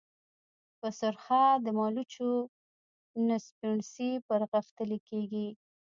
په سرخه د مالوچو نه سپڼسي پرغښتلي كېږي۔